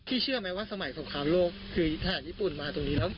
เชื่อไหมว่าสมัยสงครามโลกคือทหารญี่ปุ่นมาตรงนี้แล้ว